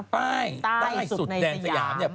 ป้ายใต้สุดในสยาม